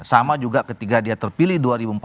sama juga ketika dia terpilih dua ribu empat belas